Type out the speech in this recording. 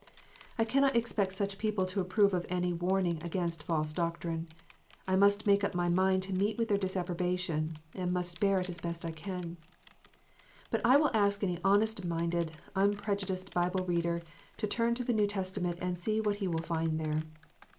I cannot expect such people to approve of any warning against false doctrine. I must make up my mind to meet with their disapprobation, and must bear it as I best can. But I will ask any honest minded, unprejudiced Bible reader to turn to the New Testament and see what he will find there.